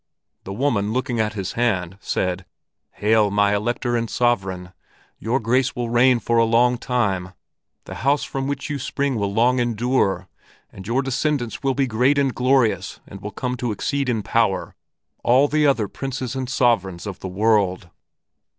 The woman, looking at his hand, said, 'Hail, my Elector and Sovereign! Your Grace will reign for a long time, the house from which you spring will long endure, and your descendants will be great and glorious and will come to exceed in power all the other princes and sovereigns of the world.'